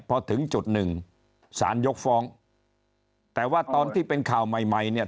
พอถึงจุดหนึ่งสารยกฟ้องแต่ว่าตอนที่เป็นข่าวใหม่ใหม่เนี่ย